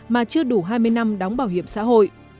mà chưa đủ hai mươi năm đóng bảo hiểm xã hội